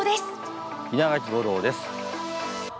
稲垣吾郎です。